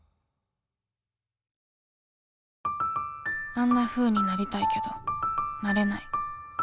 あんなふうになりたいけどなれない